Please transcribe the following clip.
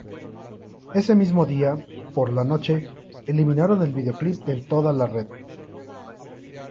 Ese mismo día, por la noche, eliminaron el videoclip en toda la red.